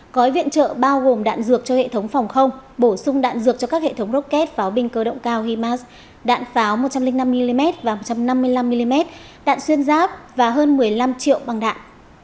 gói viện trợ bao gồm đạn dược cho hệ thống phòng không bổ sung đạn dược cho các hệ thống rocket pháo binh cơ động cao himars đạn pháo một trăm linh năm mm và một trăm năm mươi năm mm đạn xuyên giáp và hơn một mươi năm triệu bằng đạn